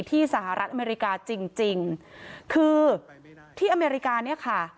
สหรัฐอเมริกาจริงจริงคือที่อเมริกาเนี่ยค่ะ